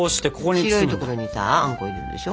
白い所にさあんこ入れるでしょ。